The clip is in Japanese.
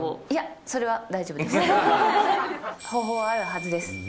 いや、それは大丈夫です。